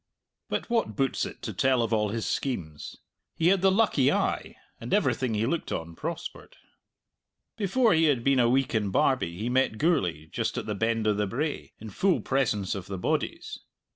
But what boots it to tell of all his schemes? He had the lucky eye, and everything he looked on prospered. Before he had been a week in Barbie he met Gourlay, just at the Bend o' the Brae, in full presence of the bodies.